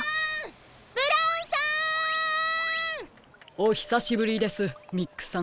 ブラウンさん！おひさしぶりですミックさん。